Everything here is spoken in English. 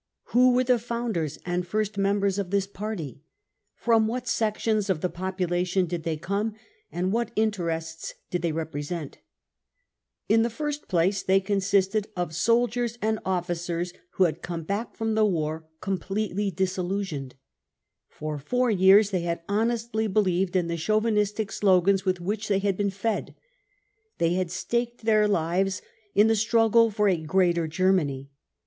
Who were the founders andffirst members of this party > From what sections of the population did they come, and what interests did they represent ? In the first place, tlfey consisted of soldiers and officers who had come back from the war completely disillusioned. For four yeafs they had honestly believed in the chauvinist slogans with which they had been fed. They had staked their lives in the struggle for a Greater Germany.